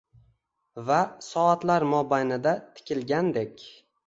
Va soatlar mobaynida tikilgandek.